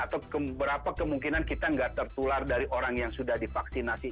atau berapa kemungkinan kita tidak tertular dari orang yang sudah divaksinasi